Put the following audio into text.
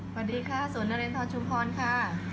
สวัสดีค่ะสวนนเรนทรชุมพรค่ะ